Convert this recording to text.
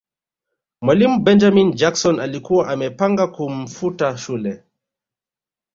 mwalimu benjamin jackson alikuwa amepanga kumfuta shule